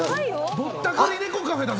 ぼったくりネコカフェだぞ